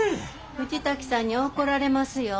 藤滝さんに怒られますよ。